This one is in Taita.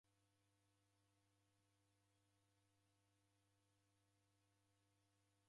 Kusuw'iria mashini ni ndengwa mbaha kwa mdamu.